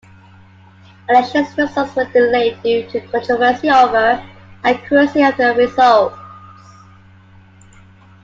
Elections results were delayed due to a controversy over accuracy of the results.